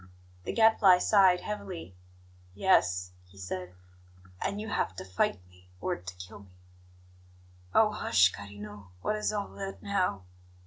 The Gadfly sighed heavily. "Yes," he said; "and you have to fight me, or to kill me." "Oh, hush, carino! What is all that now?